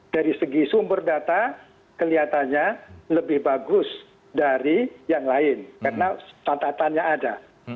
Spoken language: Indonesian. dari segi sumber data kelihatannya lebih bagus dari yang lain karena catatannya ada